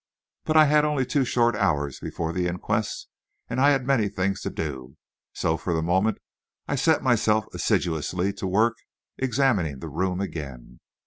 But I had only two short hours before the inquest, and I had many things to do, so for the moment I set myself assiduously to work examining the room again.